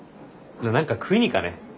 何か食いに行かね？